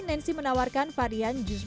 nancy menawarkan varian jus